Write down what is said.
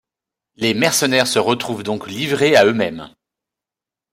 Les mercenaires se retrouvent donc livrés à eux-mêmes.